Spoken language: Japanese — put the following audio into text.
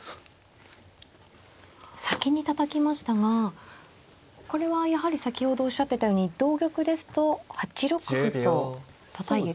先にたたきましたがこれはやはり先ほどおっしゃってたように同玉ですと８六歩とたたいて。